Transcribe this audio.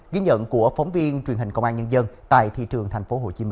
ghi nhận của phóng viên truyền hình công an nhân dân tại thị trường tp hcm